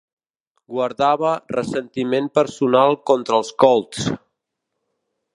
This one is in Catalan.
Guardava ressentiment personal contra els Colts.